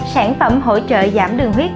sản phẩm hỗ trợ giảm đường huyết